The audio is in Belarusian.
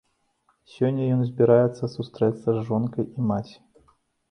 Сёння ён збіраецца сустрэцца з жонкай і маці.